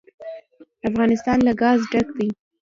افغانستان له ګاز ډک دی.